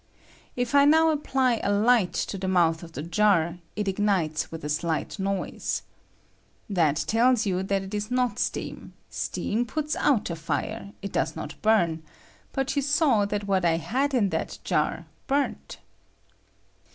If I now apply a light to the I mouth of the jar, it ignites with a shght noise. That tells you that it is not steam ; steam puts out a fire : it does not burn ; but you saw that what I had in that jar burnt.